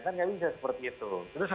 kan nggak bisa seperti itu